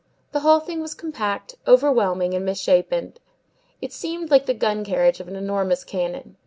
The whole thing was compact, overwhelming, and misshapen. It seemed like the gun carriage of an enormous cannon.